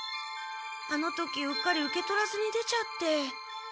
あの時うっかり受け取らずに出ちゃって。